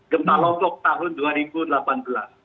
gempa lombok tahun dua ribu delapan belas